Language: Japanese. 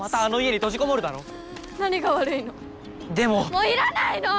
もういらないの！